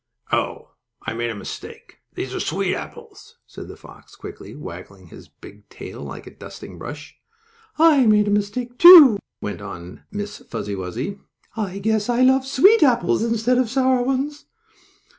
"Oh, I made a mistake, these are sweet apples," said the fox, quickly, waggling his big tail like a dusting brush. "I made a mistake, too," went on Miss Fuzzy Wuzzy. "I guess I love sweet apples instead of sour ones."